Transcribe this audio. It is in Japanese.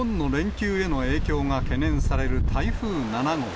お盆の連休への影響が懸念される台風７号。